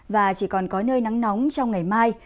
và chỉ còn có nơi nắng nóng trong ngày mai